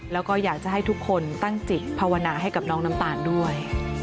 แล้วก็อยากจะให้ทุกคนตั้งจิตภาวนาให้กับน้องน้ำตาลด้วย